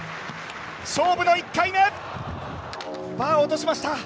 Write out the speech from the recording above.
勝負の１回目バーを落としました。